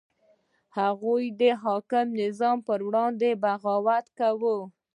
هغوی د حاکم نظام په وړاندې بغاوت کاوه.